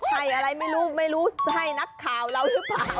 ให้อะไรไม่รู้ไม่รู้ให้นักข่าวเราหรือเปล่า